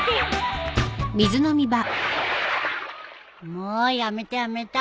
もうやめたやめた！